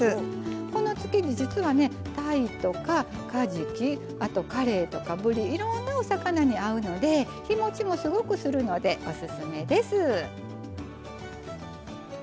この漬け地、実はたいとか、かじきあと、かれいとか、ぶりいろんなお魚に合うので日もちもすごくするのでオススメです。